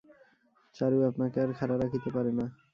চারু আপনাকে আর খাড়া রাখিতে পারে না।